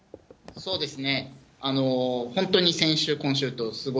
そうですね。